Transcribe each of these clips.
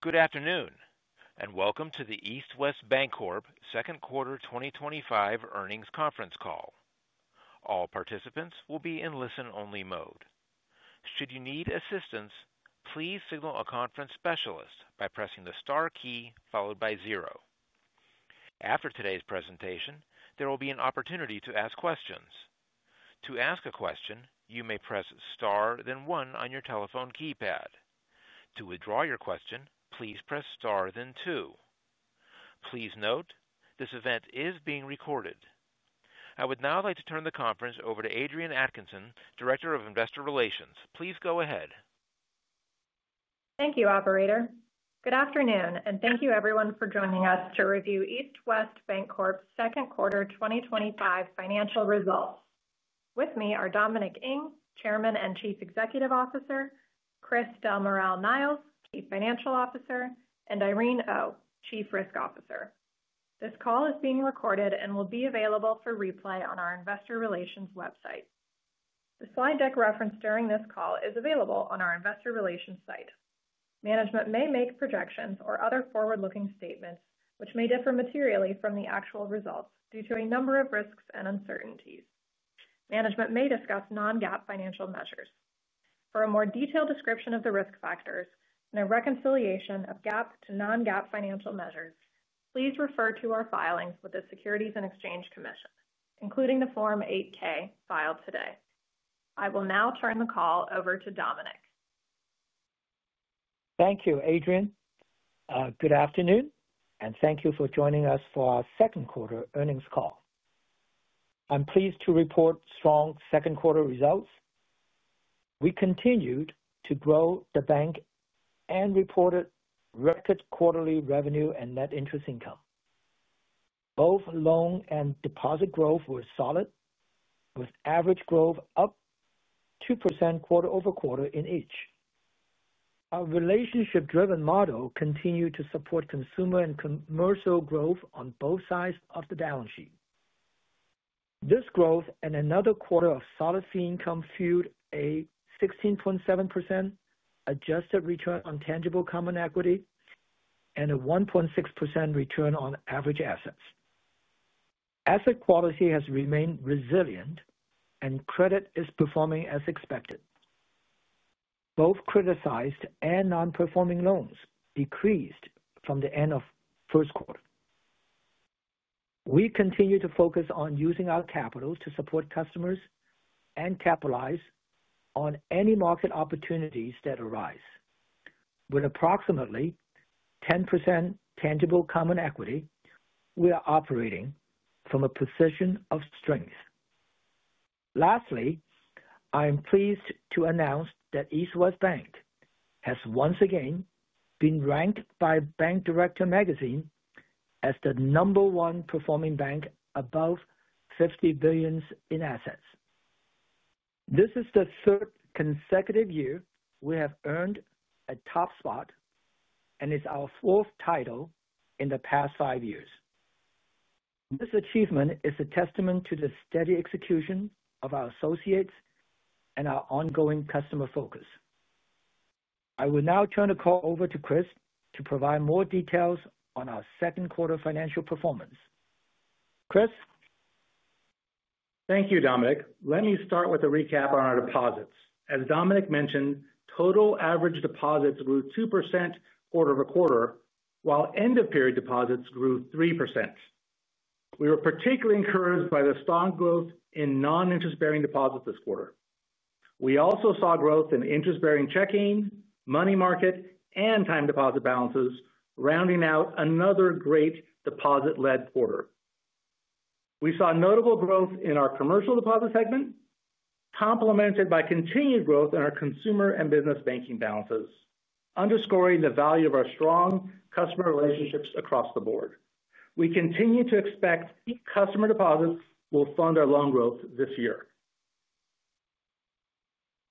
Good afternoon, and welcome to the East West Bancorp Second Quarter 2025 Earnings Conference Call. All participants will be in listen-only mode. Should you need assistance, please signal a conference specialist by pressing the star key followed by zero. After today's presentation, there will be an opportunity to ask questions. To ask a question, you may press star then one on your telephone keypad. To withdraw your question, please press star then two. Please note, this event is being recorded. I would now like to turn the conference over to Adrienne Atkinson, Director of Investor Relations. Please go ahead. Thank you, Operator. Good afternoon, and thank you everyone for joining us to review East West Bancorp's Second Quarter 2025 financial results. With me are Dominic Ng, Chairman and Chief Executive Officer; Christopher Del Moral-Niles, Chief Financial Officer; and Irene Oh, Chief Risk Officer. This call is being recorded and will be available for replay on our Investor Relations website. The slide deck referenced during this call is available on our Investor Relations site. Management may make projections or other forward-looking statements, which may differ materially from the actual results due to a number of risks and uncertainties. Management may discuss non-GAAP financial measures. For a more detailed description of the risk factors and a reconciliation of GAAP to non-GAAP financial measures, please refer to our filings with the Securities and Exchange Commission, including the Form 8-K filed today. I will now turn the call over to Dominic. Thank you, Adrienne. Good afternoon, and thank you for joining us for our second-quarter earnings call. I'm pleased to report strong second-quarter results. We continued to grow the bank and reported record quarterly revenue and net interest income. Both loan and deposit growth were solid, with average growth up 2% quarter-over-quarter in each. Our relationship-driven model continued to support consumer and commercial growth on both sides of the balance sheet. This growth and another quarter of solid fee income fueled a 16.7% adjusted return on tangible common equity and a 1.6% return on average assets. Asset quality has remained resilient, and credit is performing as expected. Both criticized and non-performing loans decreased from the end of the first quarter. We continue to focus on using our capital to support customers and capitalize on any market opportunities that arise. With approximately 10% tangible common equity, we are operating from a position of strength. Lastly, I am pleased to announce that East West Bank has once again been ranked by Bank Director Magazine as the number one performing bank above $50 billion in assets. This is the third consecutive year we have earned a top spot and is our fourth title in the past five years. This achievement is a testament to the steady execution of our associates and our ongoing customer focus. I will now turn the call over to Chris to provide more details on our second-quarter financial performance. Chris. Thank you, Dominic. Let me start with a recap on our deposits. As Dominic mentioned, total average deposits grew 2% quarter-over-quarter, while end-of-period deposits grew 3%. We were particularly encouraged by the strong growth in non-interest-bearing deposits this quarter. We also saw growth in interest-bearing checking, money market, and time deposit balances, rounding out another great deposit-led quarter. We saw notable growth in our commercial deposit segment, complemented by continued growth in our consumer and business banking balances, underscoring the value of our strong customer relationships across the board. We continue to expect customer deposits will fund our loan growth this year.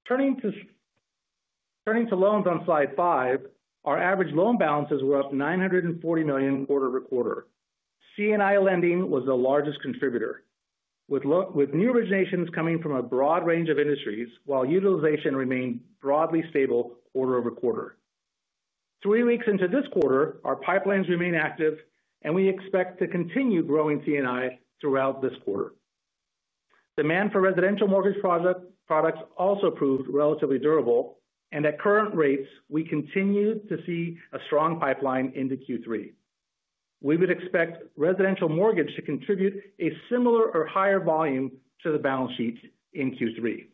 Turning to loans on slide five, our average loan balances were up $940 million quarter-over-quarter. C&I lending was the largest contributor, with new originations coming from a broad range of industries, while utilization remained broadly stable quarter-over-quarter. Three weeks into this quarter, our pipelines remain active, and we expect to continue growing C&I throughout this quarter. Demand for residential mortgage products also proved relatively durable, and at current rates, we continue to see a strong pipeline into Q3. We would expect residential mortgage to contribute a similar or higher volume to the balance sheet in Q3.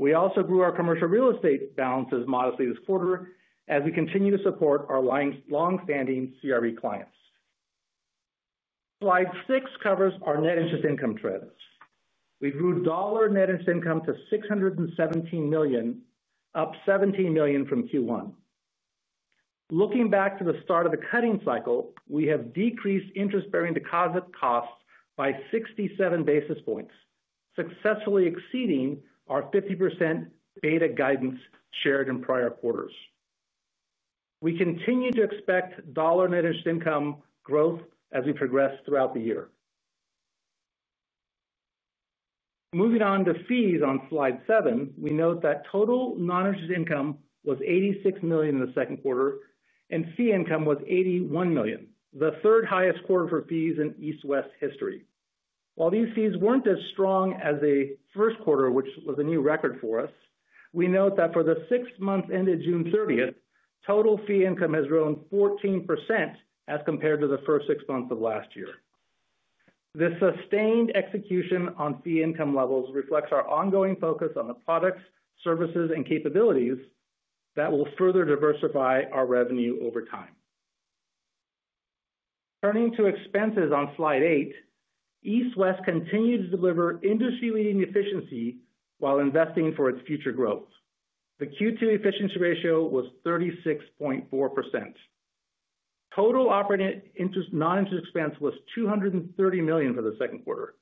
We also grew our commercial real estate balances modestly this quarter as we continue to support our longstanding CRB clients. Slide six covers our net interest income trends. We grew dollar net interest income to $617 million, up $17 million from Q1. Looking back to the start of the cutting cycle, we have decreased interest-bearing deposit costs by 67 basis points, successfully exceeding our 50% beta guidance shared in prior quarters. We continue to expect dollar net interest income growth as we progress throughout the year. Moving on to fees on slide seven, we note that total non-interest income was $86 million in the second quarter, and fee income was $81 million, the third-highest quarter for fees in East West history. While these fees were not as strong as the first quarter, which was a new record for us, we note that for the six months ended June 30th, total fee income has grown 14% as compared to the first six months of last year. The sustained execution on fee income levels reflects our ongoing focus on the products, services, and capabilities that will further diversify our revenue over time. Turning to expenses on slide eight, East West continued to deliver industry-leading efficiency while investing for its future growth. The Q2 efficiency ratio was 36.4%. Total operating non-interest expense was $230 million for the second quarter.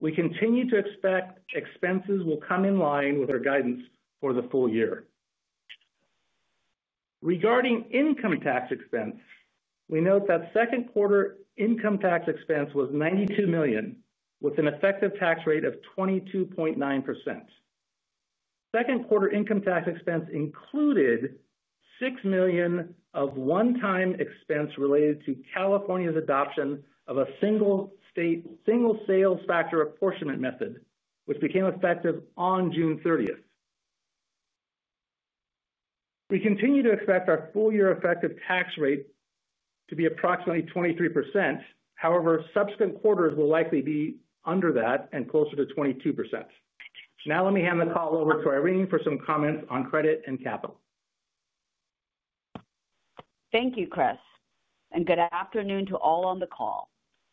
We continue to expect expenses will come in line with our guidance for the full year. Regarding income tax expense, we note that second quarter income tax expense was $92 million, with an effective tax rate of 22.9%. Second quarter income tax expense included $6 million of one-time expense related to California's adoption of a single-state single sales factor apportionment method, which became effective on June 30th. We continue to expect our full-year effective tax rate to be approximately 23%. However, subsequent quarters will likely be under that and closer to 22%. Now let me hand the call over to Irene for some comments on credit and capital. Thank you, Chris, and good afternoon to all on the call.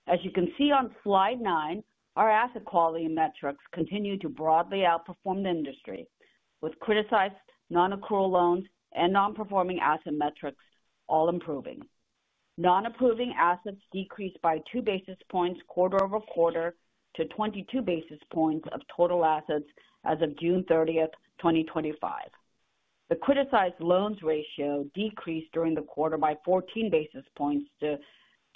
As you can see on slide nine, our asset quality metrics continue to broadly outperform the industry, with criticized, non-accrual loans and non-performing asset metrics all improving. Non-performing assets decreased by 2 basis points quarter-over-quarter to 22 basis points of total assets as of June 30th, 2025. The criticized loans ratio decreased during the quarter by 14 basis points to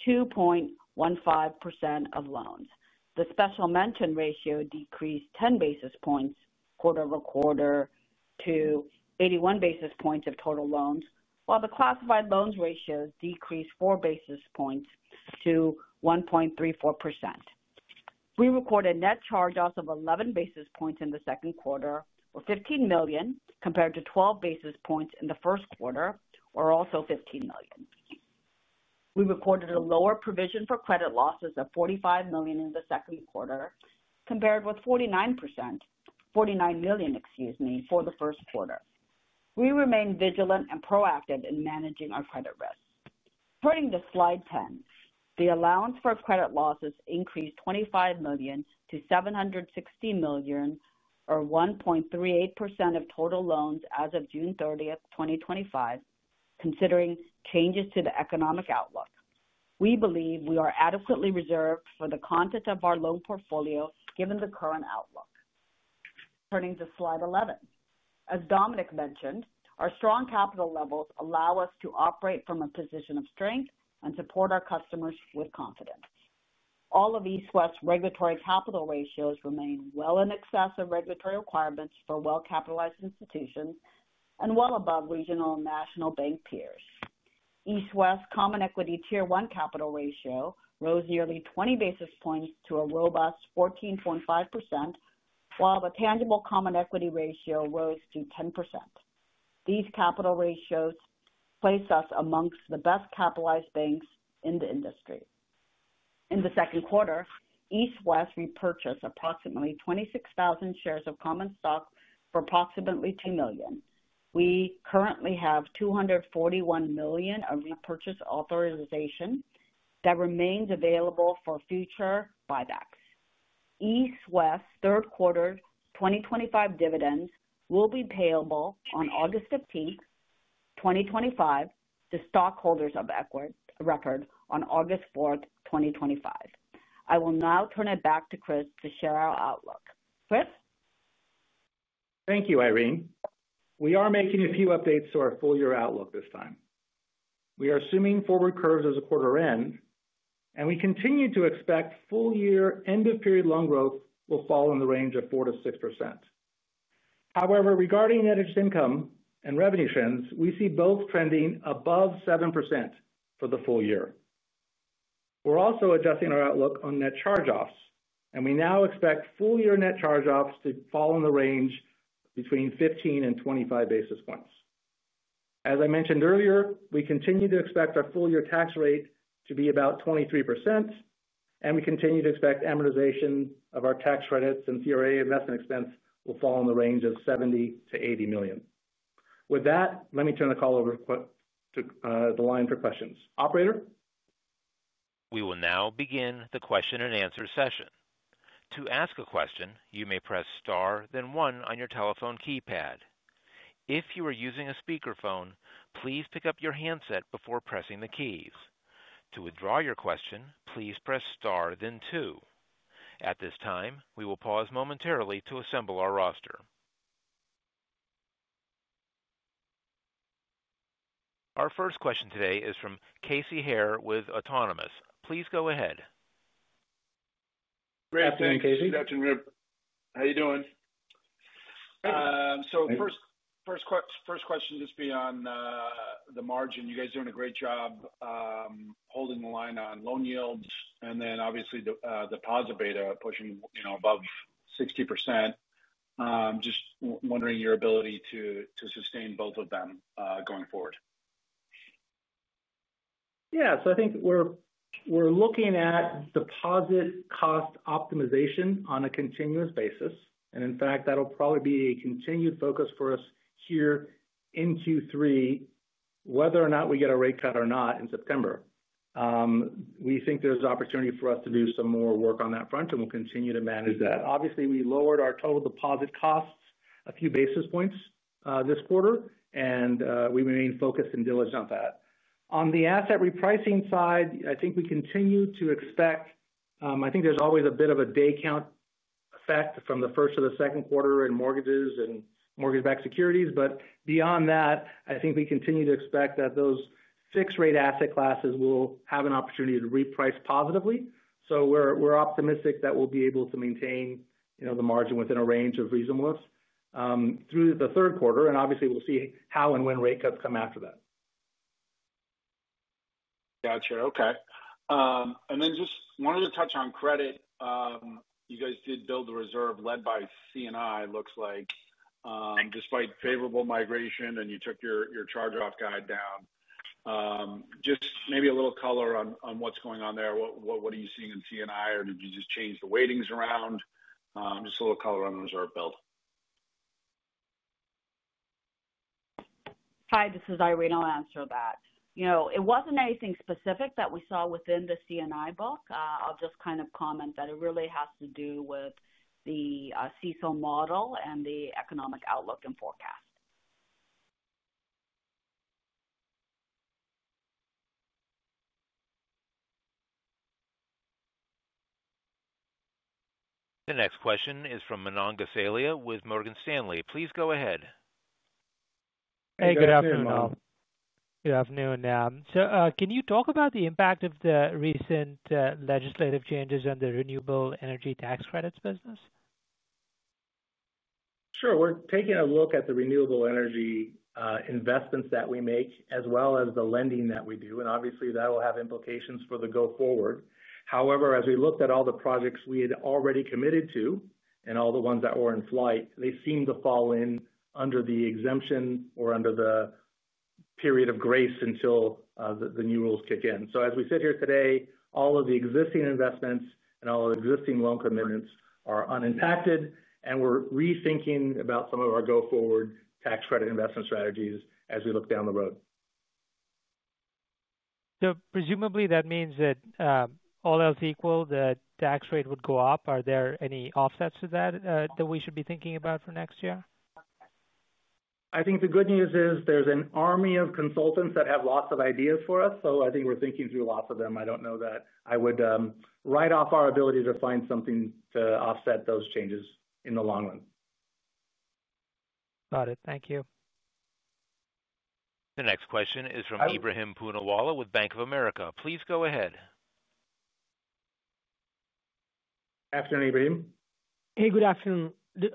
2.15% of loans. The special mention ratio decreased 10 basis points quarter-over-quarter to 81 basis points of total loans, while the classified loans ratio decreased 4 basis points to 1.34%. We recorded net charge-offs of 11 basis points in the second quarter, or $15 million, compared to 12 basis points in the first quarter, or also $15 million. We recorded a lower provision for credit losses of $45 million in the second quarter, compared with $49 million, excuse me, for the first quarter. We remain vigilant and proactive in managing our credit risk. Turning to slide 10, the allowance for credit losses increased $25 million-$760 million, or 1.38% of total loans as of June 30th, 2025. Considering changes to the economic outlook, we believe we are adequately reserved for the content of our loan portfolio given the current outlook. Turning to slide 11, as Dominic mentioned, our strong capital levels allow us to operate from a position of strength and support our customers with confidence. All of East West's regulatory capital ratios remain well in excess of regulatory requirements for well-capitalized institutions and well above regional and national bank peers. East West's common equity tier one capital ratio rose nearly 20 basis points to a robust 14.5%. While the tangible common equity ratio rose to 10%. These capital ratios place us amongst the best-capitalized banks in the industry. In the second quarter, East West repurchased approximately 26,000 shares of common stock for approximately $2 million. We currently have $241 million of repurchase authorization that remains available for future buybacks. East West's third quarter 2025 dividends will be payable on August 15, 2025, to stockholders of record on August 4, 2025. I will now turn it back to Chris to share our outlook. Chris. Thank you, Irene. We are making a few updates to our full-year outlook this time. We are assuming forward curves as of quarter end, and we continue to expect full-year end-of-period loan growth will fall in the range of 4%-6%. However, regarding net interest income and revenue trends, we see both trending above 7% for the full year. We're also adjusting our outlook on net charge-offs, and we now expect full-year net charge-offs to fall in the range between 15 and 25 basis points. As I mentioned earlier, we continue to expect our full-year tax rate to be about 23%. We continue to expect amortization of our tax credits and CRA investment expense will fall in the range of $70 million-$80 million. With that, let me turn the call over to the line for questions. Operator. We will now begin the question-and-answer session. To ask a question, you may press star, then one on your telephone keypad. If you are using a speakerphone, please pick up your handset before pressing the keys. To withdraw your question, please press star, then two. At this time, we will pause momentarily to assemble our roster. Our first question today is from Casey Hare with Autonomous. Please go ahead. Good afternoon, Casey. Good afternoon. How are you doing? So first. Good. First question just beyond the margin. You guys are doing a great job. Holding the line on loan yields and then obviously the deposit beta pushing above 60%. Just wondering your ability to sustain both of them going forward. Yeah. So I think we're looking at deposit cost optimization on a continuous basis. In fact, that'll probably be a continued focus for us here in Q3. Whether or not we get a rate cut or not in September. We think there's opportunity for us to do some more work on that front, and we'll continue to manage that. Obviously, we lowered our total deposit costs a few basis points this quarter, and we remain focused and diligent on that. On the asset repricing side, I think we continue to expect—I think there's always a bit of a day count effect from the first to the second quarter in mortgages and mortgage-backed securities. But beyond that, I think we continue to expect that those fixed-rate asset classes will have an opportunity to reprice positively. So we're optimistic that we'll be able to maintain the margin within a range of reasonableness through the third quarter. Obviously, we'll see how and when rate cuts come after that. Gotcha. Okay. I just wanted to touch on credit. You guys did build the reserve led by C&I, it looks like. Despite favorable migration, and you took your charge-off guide down. Just maybe a little color on what's going on there. What are you seeing in C&I, or did you just change the weightings around? Just a little color on the reserve build. Hi, this is Irene. I'll answer that. It wasn't anything specific that we saw within the C&I book. I'll just kind of comment that it really has to do with the CECL model and the economic outlook and forecast. The next question is from Manon Gasalia with Morgan Stanley. Please go ahead. [crostalk-Hey, good afternoon.] Good afternoon. So can you talk about the impact of the recent legislative changes on the renewable energy tax credits business? Sure. We're taking a look at the renewable energy investments that we make, as well as the lending that we do. Obviously, that will have implications for the go-forward. However, as we looked at all the projects we had already committed to and all the ones that were in flight, they seem to fall in under the exemption or under the period of grace until the new rules kick in. As we sit here today, all of the existing investments and all of the existing loan commitments are unimpacted, and we're rethinking about some of our go-forward tax credit investment strategies as we look down the road. So presumably that means that all else equal, the tax rate would go up. Are there any offsets to that that we should be thinking about for next year? I think the good news is there's an army of consultants that have lots of ideas for us. I think we're thinking through lots of them. I don't know that I would write off our ability to find something to offset those changes in the long run. Got it. Thank you. The next question is from Ebrahim Poonawalla with Bank of America. Please go ahead. Good afternoon, Ebrahim. Hey, good afternoon.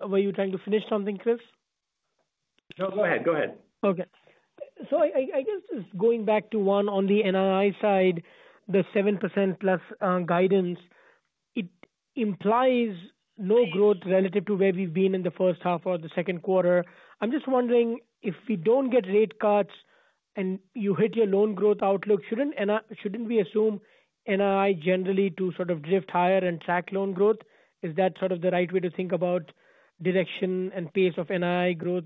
Were you trying to finish something, Chris? No, go ahead. Go ahead. Okay. I guess just going back to one on the NRI side, the 7%+ guidance. It implies no growth relative to where we've been in the first half or the second quarter. I'm just wondering if we don't get rate cuts and you hit your loan growth outlook, shouldn't we assume NRI generally to sort of drift higher and track loan growth? Is that sort of the right way to think about direction and pace of NRI growth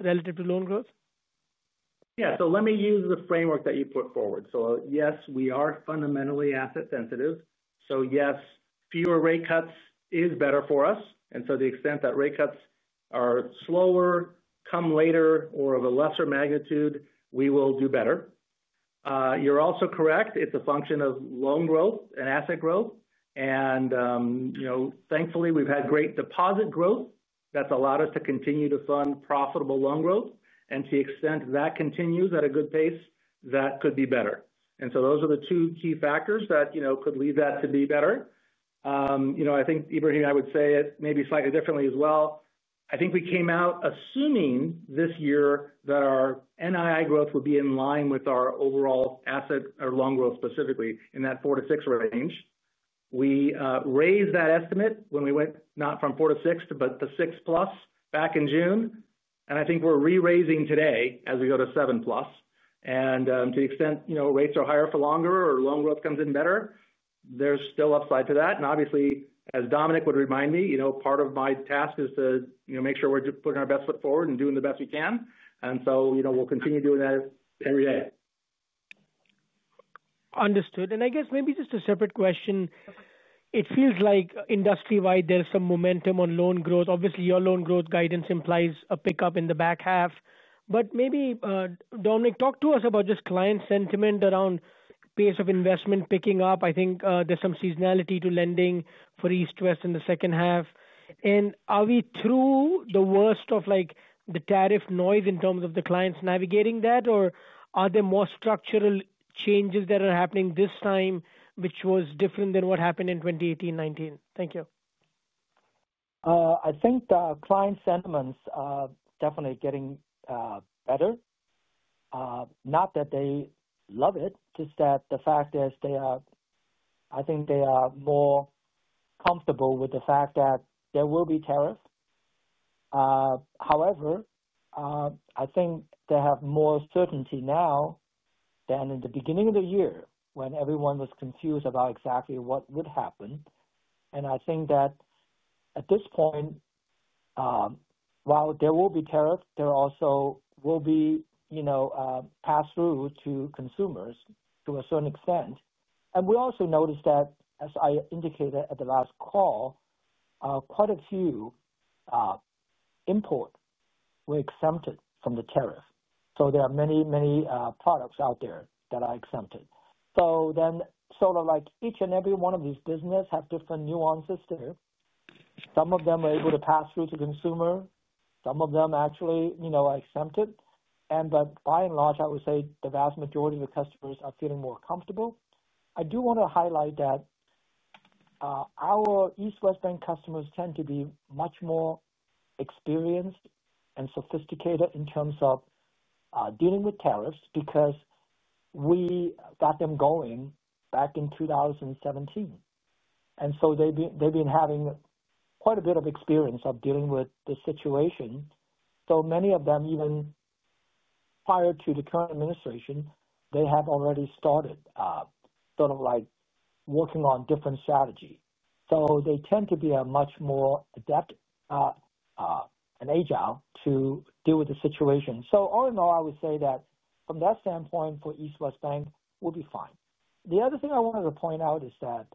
relative to loan growth? Yeah. Let me use the framework that you put forward. Yes, we are fundamentally asset-sensitive. Yes, fewer rate cuts is better for us. To the extent that rate cuts are slower, come later, or of a lesser magnitude, we will do better. You're also correct. It's a function of loan growth and asset growth. And thankfully, we've had great deposit growth that's allowed us to continue to fund profitable loan growth. To the extent that continues at a good pace, that could be better. Those are the two key factors that could lead that to be better. I think Ebrahim and I would say it maybe slightly differently as well. I think we came out assuming this year that our NII growth would be in line with our overall asset or loan growth specifically in that 4-6 range. We raised that estimate when we went not from 4-6 but to the 6+ back in June. I think we're re-raising today as we go to 7+. To the extent rates are higher for longer or loan growth comes in better, there's still upside to that. Obviously, as Dominic would remind me, part of my task is to make sure we're putting our best foot forward and doing the best we can. We'll continue doing that every day. Understood. I guess maybe just a separate question. It feels like industry-wide there's some momentum on loan growth. Obviously, your loan growth guidance implies a pickup in the back half. Maybe, Dominic, talk to us about just client sentiment around pace of investment picking up. I think there's some seasonality to lending for East West in the second half. And are we through the worst of the tariff noise in terms of the clients navigating that, or are there more structural changes that are happening this time, which was different than what happened in 2018, 2019? Thank you. I think the client sentiments are definitely getting better. Not that they love it, just that the fact is they are—I think they are more comfortable with the fact that there will be tariffs. However, I think they have more certainty now than in the beginning of the year when everyone was confused about exactly what would happen. I think that at this point, while there will be tariffs, there also will be passed through to consumers to a certain extent. We also noticed that, as I indicated at the last call, quite a few import were exempted from the tariff. There are many, many products out there that are exempted. Then sort of like each and every one of these businesses have different nuances there. Some of them are able to pass through to consumers. Some of them actually are exempted. By and large, I would say the vast majority of the customers are feeling more comfortable. I do want to highlight that our East West Bank customers tend to be much more experienced and sophisticated in terms of dealing with tariffs because we got them going back in 2017. They have been having quite a bit of experience of dealing with the situation. Many of them, even prior to the current administration, have already started sort of like working on different strategies. They tend to be much more adept and agile to deal with the situation. All in all, I would say that from that standpoint for East West Bank, we'll be fine. The other thing I wanted to point out is that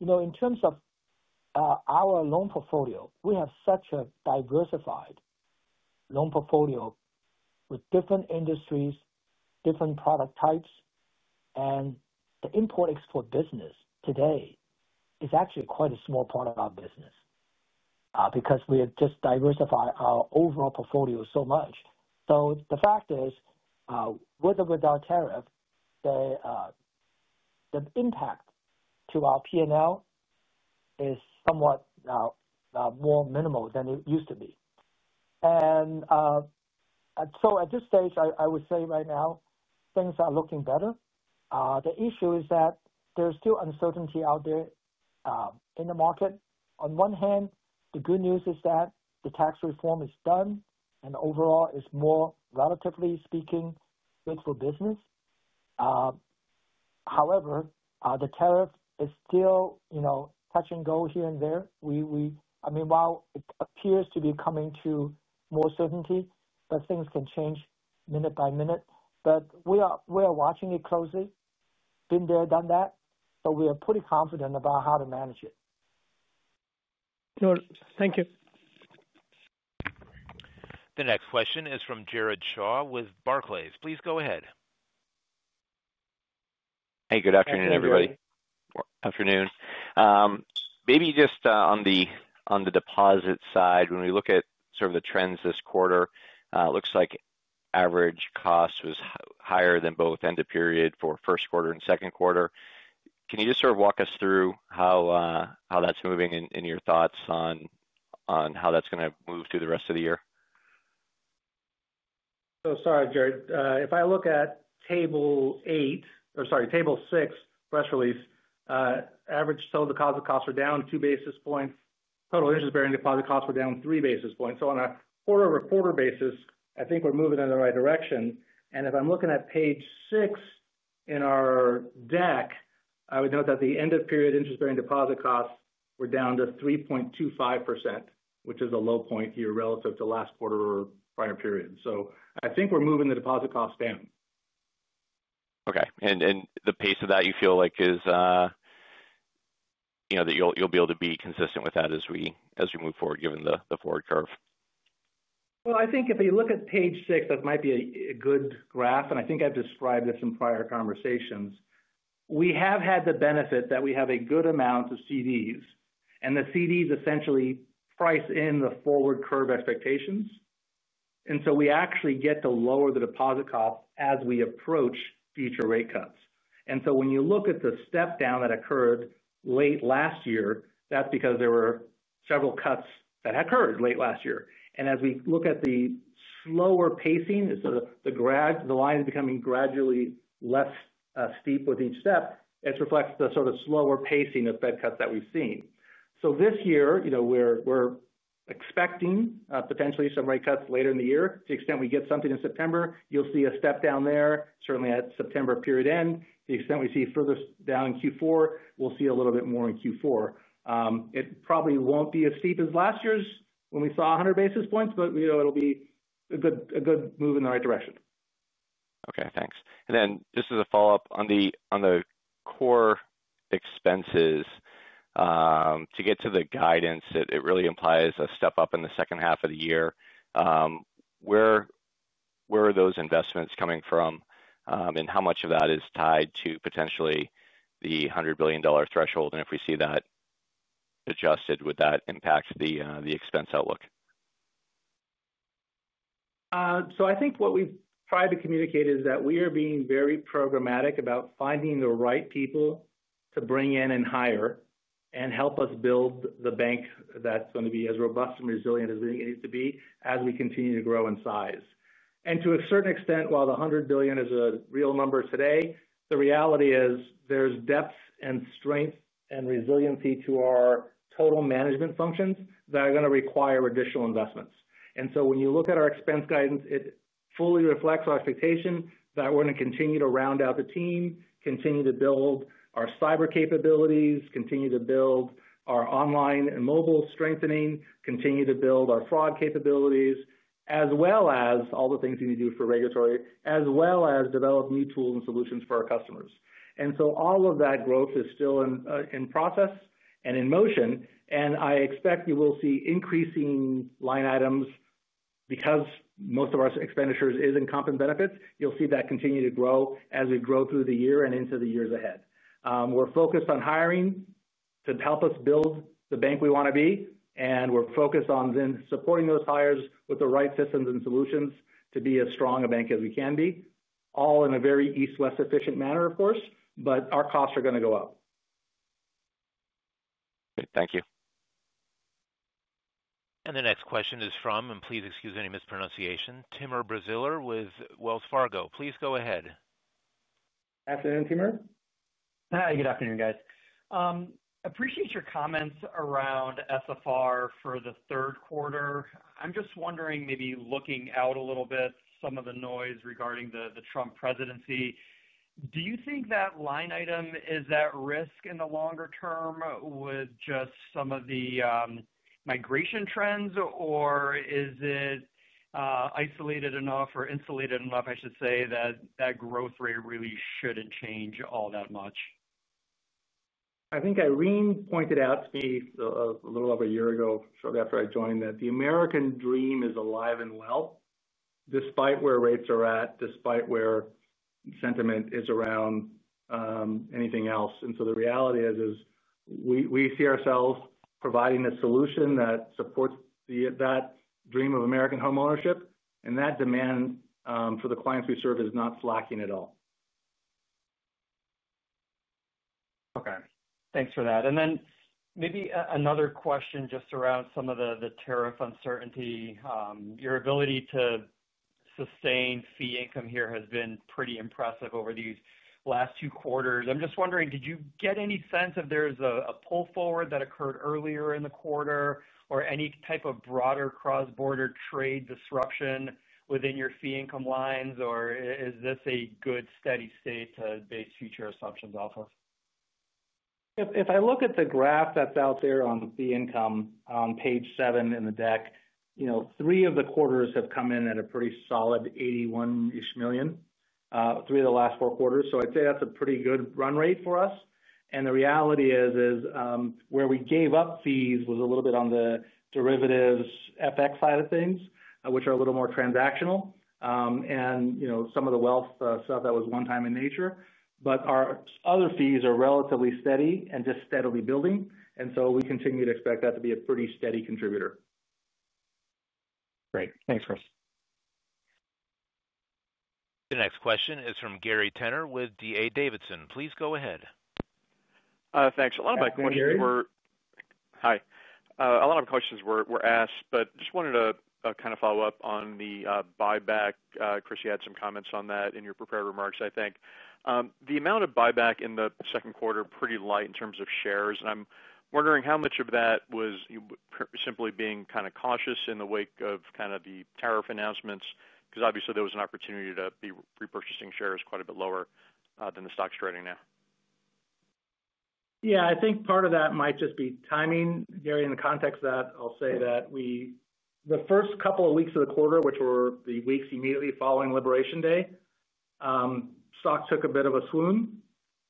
in terms of our loan portfolio, we have such a diversified loan portfolio with different industries, different product types. And the import-export business today is actually quite a small part of our business because we have just diversified our overall portfolio so much. The fact is, with or without tariff, the impact to our P&L is somewhat more minimal than it used to be. So at this stage, I would say right now, things are looking better. The issue is that there's still uncertainty out there in the market. On one hand, the good news is that the tax reform is done, and overall, it's more, relatively speaking, good for business. However, the tariff is still touch-and-go here and there. I mean, while it appears to be coming to more certainty, things can change minute-by-minute. We are watching it closely. Been there, done that. We are pretty confident about how to manage it. Thank you. The next question is from Jared Shaw with Barclays. Please go ahead. Hey, good afternoon, everybody. Good afternoon. Maybe just on the deposit side, when we look at sort of the trends this quarter, it looks like average cost was higher than both end of period for first quarter and second quarter. Can you just sort of walk us through how that's moving and your thoughts on how that's going to move through the rest of the year? Sorry, Jared. If I look at table eight or sorry, table six, press release, average total deposit costs were down 2 basis points, total interest-bearing deposit costs were down 3 basis points, on a quarter-over-quarter basis, I think we're moving in the right direction. If I'm looking at page six in our deck, I would note that the end-of-period interest-bearing deposit costs were down to 3.25%, which is a low point here relative to last quarter or prior period. So I think we're moving the deposit costs down. Okay. The pace of that, you feel like that you'll be able to be consistent with that as we move forward, given the forward curve? I think if you look at page six, that might be a good graph. I think I've described this in prior conversations. We have had the benefit that we have a good amount of CDs. The CDs essentially price in the forward curve expectations. So we actually get to lower the deposit costs as we approach future rate cuts. When you look at the step-down that occurred late last year, that's because there were several cuts that occurred late last year. As we look at the slower pacing, the line is becoming gradually less steep with each step. It reflects the sort of slower pacing of Fed cuts that we've seen. This year, we're expecting potentially some rate cuts later in the year. To the extent we get something in September, you'll see a step-down there, certainly at September period end. To the extent we see further down in Q4, we'll see a little bit more in Q4. It probably won't be as steep as last year's when we saw 100 basis points, but it'll be a good move in the right direction. Okay. Thanks. Just as a follow-up on the core expenses, to get to the guidance, it really implies a step up in the second half of the year. Where are those investments coming from, and how much of that is tied to potentially the $100 billion threshold? If we see that adjusted, would that impact the expense outlook? I think what we've tried to communicate is that we are being very programmatic about finding the right people to bring in and hire and help us build the bank that's going to be as robust and resilient as we need it to be as we continue to grow in size. To a certain extent, while the $100 billion is a real number today, the reality is there's depth and strength and resiliency to our total management functions that are going to require additional investments. When you look at our expense guidance, it fully reflects our expectation that we're going to continue to round out the team, continue to build our cyber capabilities, continue to build our online and mobile strengthening, continue to build our fraud capabilities, as well as all the things we need to do for regulatory, as well as develop new tools and solutions for our customers. So all of that growth is still in process and in motion. I expect we will see increasing line items because most of our expenditures are in comp and benefits. You'll see that continue to grow as we grow through the year and into the years ahead. We're focused on hiring to help us build the bank we want to be. We're focused on then supporting those hires with the right systems and solutions to be as strong a bank as we can be, all in a very East West efficient manner, of course, but our costs are going to go up. Great. Thank you. The next question is from, and please excuse any mispronunciation, Timur Braziler with Wells Fargo. Please go ahead. Good afternoon, Timur. Hi. Good afternoon, guys. Appreciate your comments around SFR for the third quarter. I'm just wondering, maybe looking out a little bit, some of the noise regarding the Trump presidency. Do you think that line item is at risk in the longer term with just some of the migration trends, or is it isolated enough or insulated enough, I should say, that that growth rate really shouldn't change all that much? I think Irene pointed out to me a little over a year ago, shortly after I joined, that the American dream is alive and well. Despite where rates are at, despite where sentiment is around anything else. The reality is, we see ourselves providing a solution that supports that dream of American homeownership, and that demand for the clients we serve is not slacking at all. Okay. Thanks for that. And then maybe another question just around some of the tariff uncertainty. Your ability to sustain fee income here has been pretty impressive over these last two quarters. I'm just wondering, did you get any sense if there's a pull forward that occurred earlier in the quarter or any type of broader cross-border trade disruption within your fee income lines, or is this a good steady state to base future assumptions off of? If I look at the graph that's out there on fee income on page seven in the deck. Three of the quarters have come in at a pretty solid $81-ish million. Three of the last four quarters. I'd say that's a pretty good run rate for us. The reality is where we gave up fees was a little bit on the derivatives FX side of things, which are a little more transactional. And you know some of the wealth stuff was one-time in nature. Our other fees are relatively steady and just steadily building. We continue to expect that to be a pretty steady contributor. Great. Thanks, Chris. The next question is from Gary Tenner with D.A. Davidson. Please go ahead. Thanks. A lot of my questions were. Hi. Hi. A lot of questions were asked, but just wanted to kind of follow up on the buyback. Chris, you had some comments on that in your prepared remarks, I think. The amount of buyback in the second quarter was pretty light in terms of shares. I'm wondering how much of that was simply being kind of cautious in the wake of kind of the tariff announcements? Because obviously, there was an opportunity to be repurchasing shares quite a bit lower than the stock's trading now. Yeah. I think part of that might just be timing. Gary, in the context of that, I'll say that we, the first couple of weeks of the quarter, which were the weeks immediately following Liberation Day, stocks took a bit of a swoon.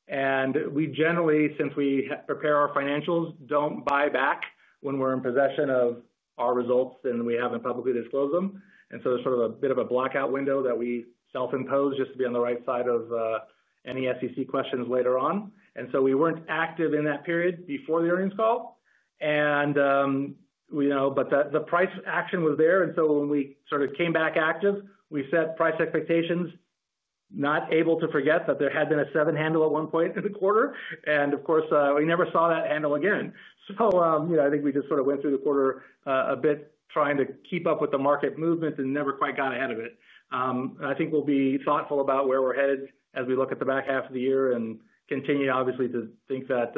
And we generally, since we prepare our financials, do not buy back when we're in possession of our results and we have not publicly disclosed them. There is sort of a bit of a blackout window that we self-impose just to be on the right side of any SEC questions later on. So we were not active in that period before the earnings call. And we know but the price action was there. When we sort of came back active, we set price expectations, not able to forget that there had been a seven-handle at one point in the quarter. Of course, we never saw that handle again. I think we just sort of went through the quarter a bit trying to keep up with the market movement and never quite got ahead of it. I think we'll be thoughtful about where we're headed as we look at the back half of the year and continue, obviously, to think that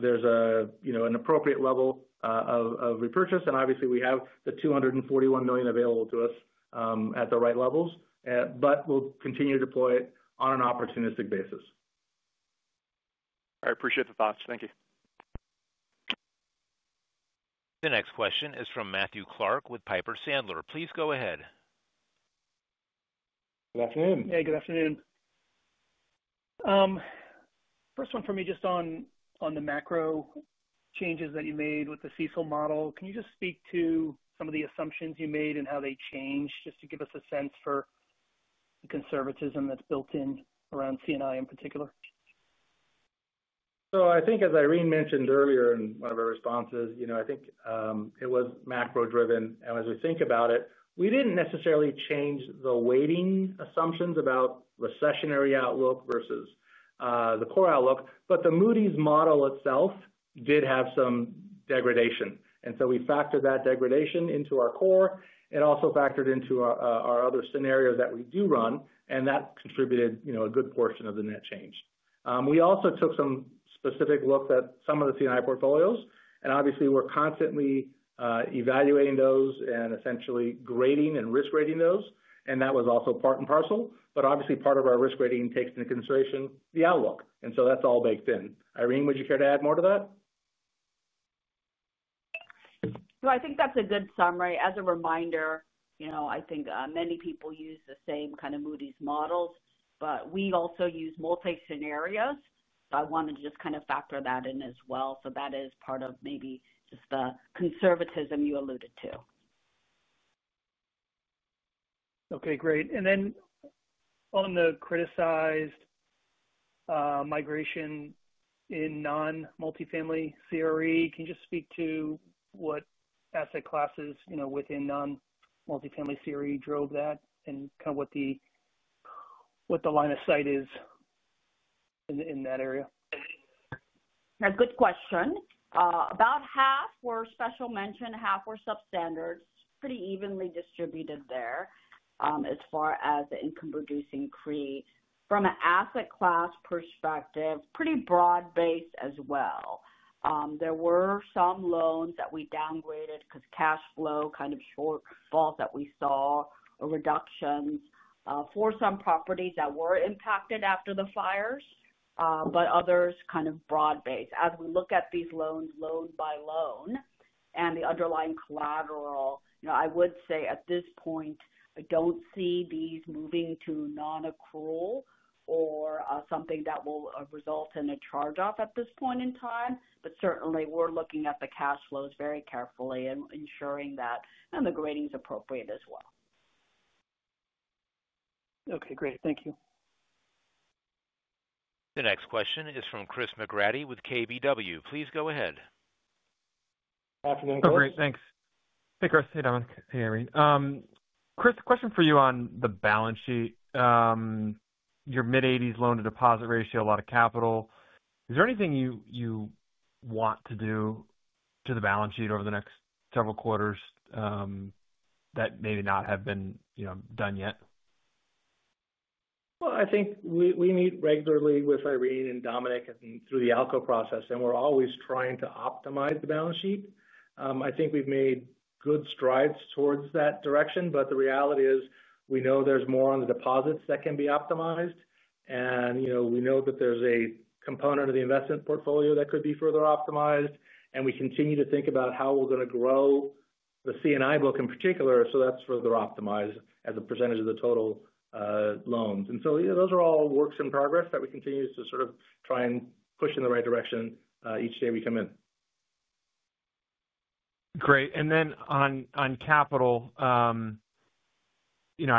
there is an appropriate level of repurchase. Obviously, we have the $241 million available to us at the right levels. But we'll continue to deploy it on an opportunistic basis. I appreciate the thoughts. Thank you. The next question is from Matthew Clark with Piper Sandler. Please go ahead. Good afternoon. Hey, good afternoon. First one for me just on the macro changes that you made with the CECL model. Can you just speak to some of the assumptions you made and how they changed just to give us a sense for the conservatism that's built in around C&I in particular? I think, as Irene mentioned earlier in one of her responses, I think it was macro-driven. As we think about it, we did not necessarily change the weighting assumptions about recessionary outlook versus the core outlook. The Moody’s model itself did have some degradation. We factored that degradation into our core. It also factored into our other scenarios that we do run. That contributed a good portion of the net change. We also took some specific looks at some of the C&I portfolios. Obviously, we are constantly evaluating those and essentially grading and risk-rating those. That was also part and parcel. Obviously, part of our risk-rating takes into consideration the outlook. That is all baked in. Irene, would you care to add more to that? I think that's a good summary. As a reminder, I think many people use the same kind of Moody’s models. But we also use multi-scenarios. I wanted to just kind of factor that in as well. That is part of maybe just the conservatism you alluded to. Okay. Great. And then on the criticized migration in non-multifamily CRE, can you just speak to what asset classes within non-multifamily CRE drove that and kind of what the line of sight is in that area? That's a good question. About half were special mention, half were substandards. Pretty evenly distributed there as far as the income-producing CRE. From an asset class perspective, pretty broad-based as well. There were some loans that we downgraded because cash flow kind of shortfalls that we saw or reductions for some properties that were impacted after the fires. Others kind of broad-based. As we look at these loans, loan-by-loan and the underlying collateral, I would say at this point, I don't see these moving to non-accrual or something that will result in a charge-off at this point in time. Certainly, we're looking at the cash flows very carefully and ensuring that and the grading's appropriate as well. Okay. Great. Thank you. The next question is from Chris McGratty with KBW. Please go ahead. Good afternoon, Chris. Hey, Chris. Hey, Dominic. Hey, Irene. Chris, the question for you on the balance sheet. Your mid-80s loan-to-deposit ratio, a lot of capital. Is there anything you want to do to the balance sheet over the next several quarters that may not have been done yet? I think we meet regularly with Irene and Dominic through the ALCO process, and we're always trying to optimize the balance sheet. I think we've made good strides towards that direction. The reality is we know there's more on the deposits that can be optimized. We know that there's a component of the investment portfolio that could be further optimized. We continue to think about how we're going to grow the C&I book in particular, so that's further optimized as a percentage of the total loans. Those are all works in progress that we continue to sort of try and push in the right direction each day we come in. Great. And then on capital, I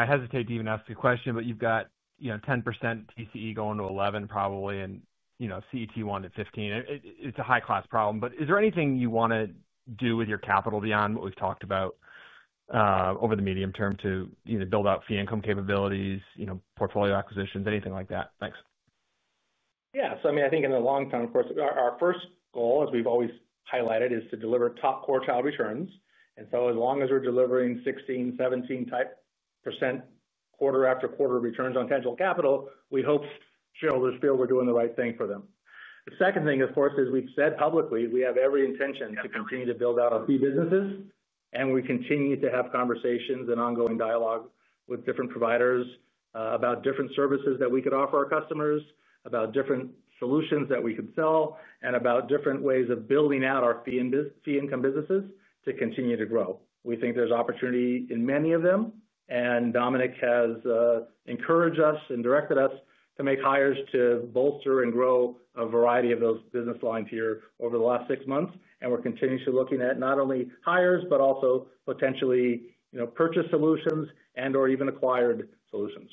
hesitate to even ask the question, but you've got 10% TCE going to 11 probably and you know CET1 at 15%. It's a high-class problem. Is there anything you want to do with your capital beyond what we've talked about over the medium-term to build out fee income capabilities, portfolio acquisitions, anything like that? Thanks. Yeah. I mean, I think in the long term, of course, our first goal, as we've always highlighted, is to deliver top core child returns. As long as we're delivering 16-17% quarter-after-quarter returns on tangible capital, we hope shareholders feel we're doing the right thing for them. The second thing, of course, is we've said publicly we have every intention to continue to build out our fee businesses. We continue to have conversations and ongoing dialogue with different providers about different services that we could offer our customers, about different solutions that we could sell, and about different ways of building out our fee income businesses to continue to grow. We think there's opportunity in many of them. And Dominic has encouraged us and directed us to make hires to bolster and grow a variety of those business lines here over the last six months. We're continuously looking at not only hires, but also potentially purchase solutions and/or even acquired solutions.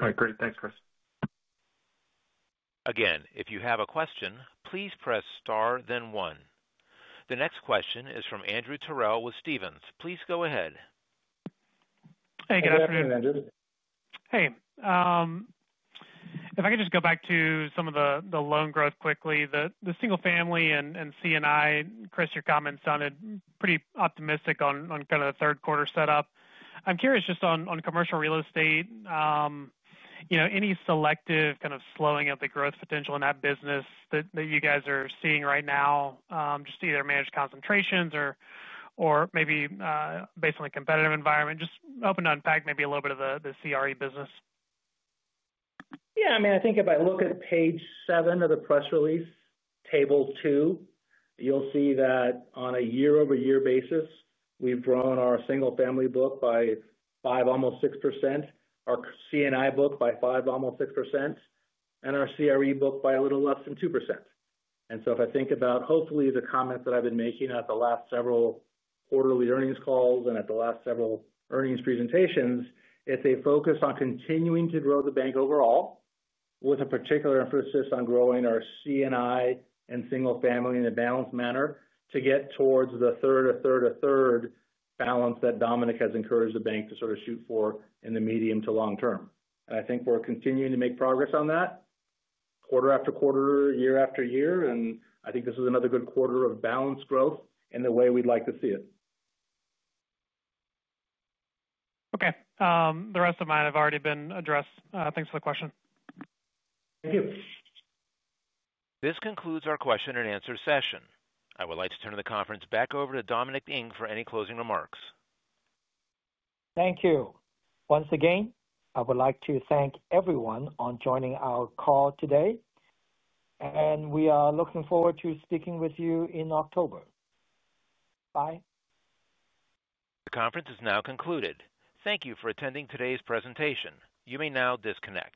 All right. Great. Thanks, Chris. Again, if you have a question, please press star, then one. The next question is from Andrew Terrell with Stephens. Please go ahead. Hey, good afternoon. Andrew. Hey. If I could just go back to some of the loan growth quickly. The single-family and C&I, Chris, your comments on it, pretty optimistic on kind of the third-quarter setup. I'm curious just on commercial real estate. Any selective kind of slowing of the growth potential in that business that you guys are seeing right now, just either managed concentrations or maybe based on a competitive environment, just open to unpack maybe a little bit of the CRE business? Yeah. I mean, I think if I look at page seven of the press release, table two, you'll see that on a year-over-year basis, we've grown our single-family book by 5, almost 6%, our C&I book by 5, almost 6%. And our CRE book by a little less than 2%. If I think about hopefully the comments that I've been making at the last several quarterly earnings calls and at the last several earnings presentations, it's a focus on continuing to grow the bank overall with a particular emphasis on growing our C&I and single-family in a balanced manner to get towards the third or third or third balance that Dominic has encouraged the bank to sort of shoot for in the medium to long term. I think we're continuing to make progress on that quarter-after-quarter, year-after-year. I think this is another good quarter of balanced growth in the way we'd like to see it. Okay. The rest of mine have already been addressed. Thanks for the question. Thank you. This concludes our question-and-answer session. I would like to turn the conference back over to Dominic Ng for any closing remarks. Thank you. Once again, I would like to thank everyone for joining our call today. We are looking forward to speaking with you in October. Bye. The conference is now concluded. Thank you for attending today's presentation. You may now disconnect.